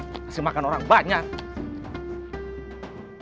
masih makan orang banyak